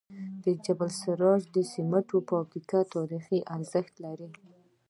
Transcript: د جبل السراج د سمنټو فابریکه تاریخي ارزښت لري.